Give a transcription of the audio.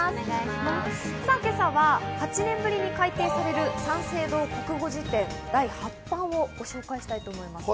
今朝は８年ぶりに改訂される三省堂国語辞典第八版をご紹介します。